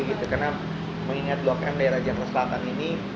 karena mengingat blok m daerah yang keselatan ini